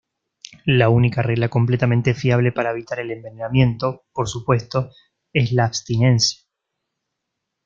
La única regla completamente fiable para evitar el envenenamiento, por supuesto, es la abstinencia.